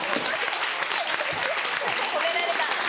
褒められた。